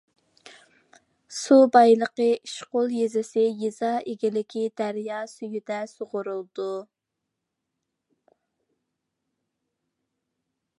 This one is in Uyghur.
سۇ بايلىقى ئىشقۇل يېزىسى يېزا ئىگىلىكى دەريا سۈيىدە سۇغۇرۇلىدۇ.